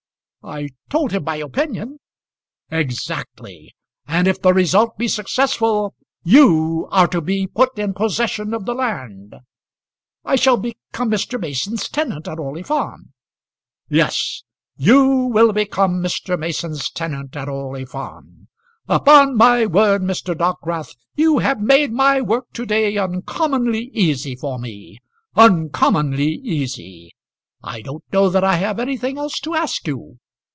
"I told him my opinion." "Exactly. And if the result be successful, you are to be put in possession of the land." "I shall become Mr. Mason's tenant at Orley Farm." "Yes, you will become Mr. Mason's tenant at Orley Farm. Upon my word, Mr. Dockwrath, you have made my work to day uncommonly easy for me, uncommonly easy. I don't know that I have anything else to ask you."